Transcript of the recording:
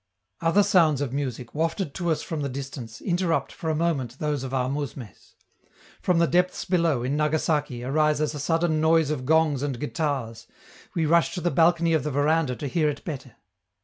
Other sounds of music, wafted to us from the distance, interrupt for a moment those of our mousmes. From the depths below, in Nagasaki, arises a sudden noise of gongs and guitars; we rush to the balcony of the veranda to hear it better.